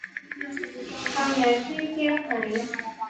ทำงานที่ เซี่ยงไฮ้